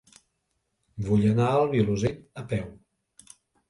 Vull anar al Vilosell a peu.